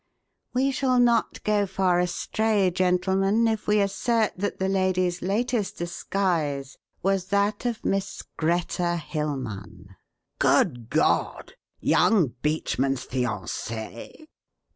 We shall not go far astray, gentlemen, if we assert that the lady's latest disguise was that of Miss Greta Hilmann." "Good God! Young Beachman's fiancée?"